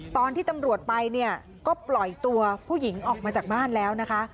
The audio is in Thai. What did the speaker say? ตอนที่ตำรวจไปเนี่ยก็ปล่อยตัวผู้หญิงออกมาจากบ้านแล้วนะคะ